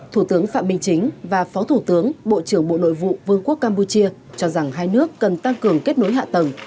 thủ tướng phạm minh chính và phó thủ tướng bộ trưởng bộ nội vụ vương quốc campuchia cho rằng hai nước cần tăng cường kết nối hạ tầng